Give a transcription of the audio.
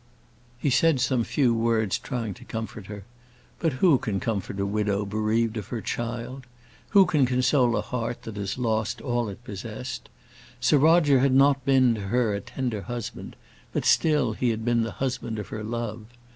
He said some few words trying to comfort her; but who can comfort a widow bereaved of her child? Who can console a heart that has lost all that it possessed? Sir Roger had not been to her a tender husband; but still he had been the husband of her love.